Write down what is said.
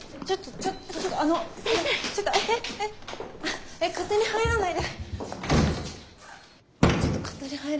ちょっと勝手に入らないで。